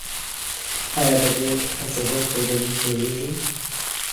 آیا د ډېر حساسیت پر دلیل پوهیږئ؟